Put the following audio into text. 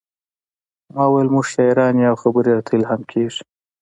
ما وویل موږ شاعران یو او خبرې راته الهام کیږي